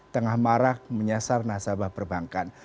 tengah marak menyasar nasabah perbankan